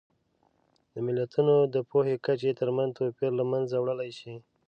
د ملتونو د پوهې کچې ترمنځ توپیر له منځه وړلی شي.